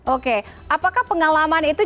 oke apakah pengalaman itu